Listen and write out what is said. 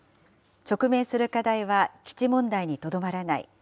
直面する課題は基地問題にとどまらない。